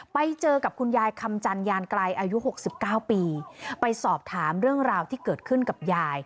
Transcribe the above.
ไปเจอกับคุณยายคำจันยานไกลอายุ๖๙ปีไปสอบถามเรื่องราวที่เกิดขึ้นกับยาย